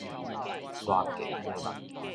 沙疥